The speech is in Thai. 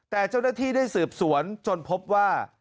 แต่เจ้าหน้าที่ได้สืบสวนจนพบว่า